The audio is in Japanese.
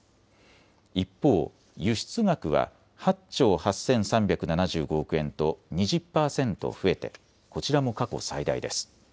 一方、輸出額は８兆８３７５億円と２０％増えてこちらも過去最大です。